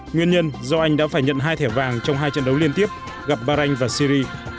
nguyên nhân do anh đã phải nhận hai thẻ vàng trong hai trận đấu liên tiếp gặp ba ranh và siri